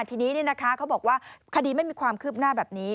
ทีนี้เขาบอกว่าคดีไม่มีความคืบหน้าแบบนี้